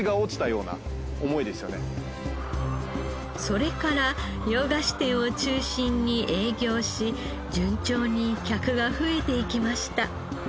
それから洋菓子店を中心に営業し順調に客が増えていきました。